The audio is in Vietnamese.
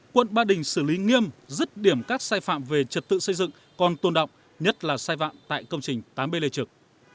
quận ba đình xử lý nghiêm dứt điểm các sai phạm về trật tự xây dựng còn tồn động nhất là sai phạm tại công trình tám b lê trực